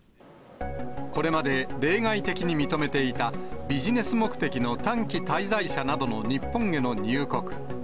これまで例外的に認めていた、ビジネス目的の短期滞在者などの日本への入国。